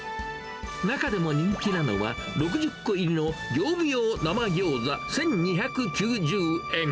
中でも人気なのは、６０個入りの業務用生ぎょうざ１２９０円。